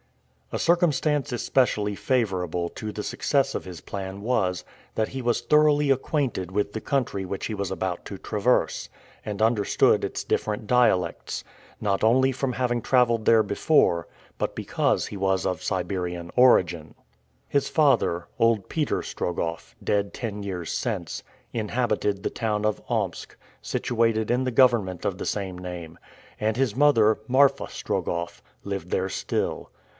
A circumstance especially favorable to the success of his plan was, that he was thoroughly acquainted with the country which he was about to traverse, and understood its different dialects not only from having traveled there before, but because he was of Siberian origin. His father old Peter Strogoff, dead ten years since inhabited the town of Omsk, situated in the government of the same name; and his mother, Marfa Strogoff, lived there still.